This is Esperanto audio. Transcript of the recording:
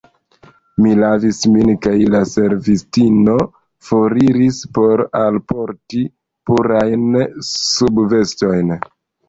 Mi lavis min kaj la servistino foriris por alporti purajn subvestojn.